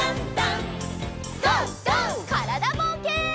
からだぼうけん。